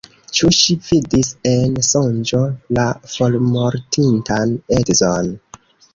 Ĉu ŝi vidis en sonĝo la formortintan edzon?